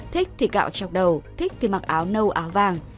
thích thì gạo chọc đầu thích thì mặc áo nâu áo vàng